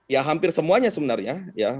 ya hampir semuanya sebenarnya